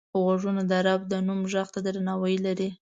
غوږونه د رب د نوم غږ ته درناوی لري